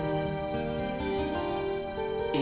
masada benar rani